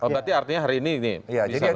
berarti artinya hari ini ini bisa